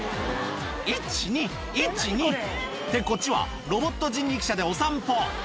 １、２、１、２、って、こっちはロボット人力車でお散歩。